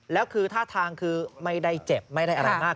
แล้วคือท่าทางคือไม่ได้เจ็บไม่ได้อะไรมาก